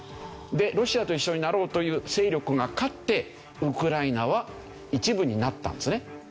でロシアと一緒になろうという勢力が勝ってウクライナは一部になったんですね。